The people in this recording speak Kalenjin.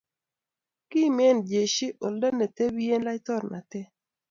kimen jeshik oldo ne tebien laitoriante.